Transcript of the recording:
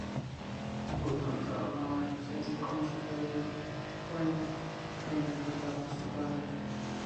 Hutton trabajaba en la serie con David Wayne, que interpretaba a su padre.